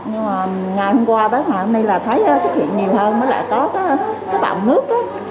nhưng mà ngày hôm qua bác sĩ bác thấy xuất hiện nhiều hơn mới là có cái bỏng nước